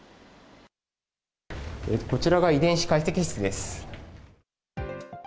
こちらが遺伝子解析室です。